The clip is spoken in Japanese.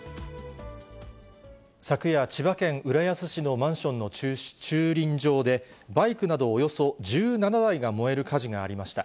昨夜、千葉県浦安市のマンションの駐輪場で、バイクなどおよそ１７台が燃える火事がありました。